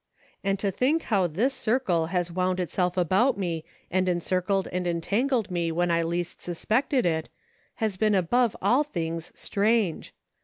"And to think how this circle has wound itself about me and en circled and entangled me whan I least suspected it, has been above all things strange.